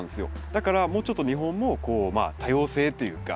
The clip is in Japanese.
だからもうちょっと日本もこう多様性というか。